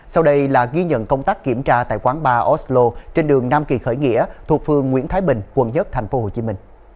sau đây là ghi nhận công tác kiểm tra tại quán bar oslo trên đường nam kỳ khởi nghĩa thuộc phương nguyễn thái bình quận một tp hcm